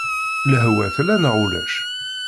Lehwa tella neɣ ulac?